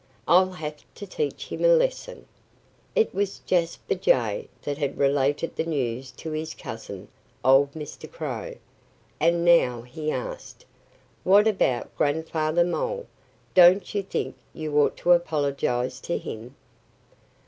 I'll have to teach him a lesson." It was Jasper Jay that had related the news to his cousin, old Mr. Crow. And now he asked, "What about Grandfather Mole? Don't you think you ought to apologize to him?"